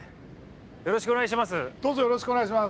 よろしくお願いします。